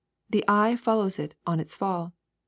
The eye fol lows it in its fall.